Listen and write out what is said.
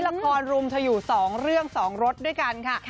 ละครหลุมเถ่าอยู่สองเรื่องสองรสด้วยกันค่ะ